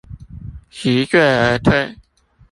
既醉而退